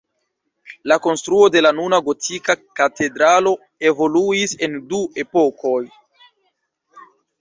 La konstruo de la nuna gotika katedralo evoluis en du epokoj.